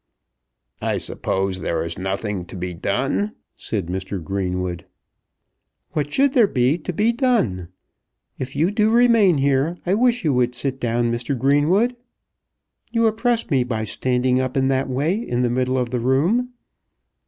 "I suppose there is nothing to be done?" said Mr. Greenwood. "What should there be to be done? If you do remain here I wish you would sit down, Mr. Greenwood. You oppress me by standing up in that way in the middle of the room."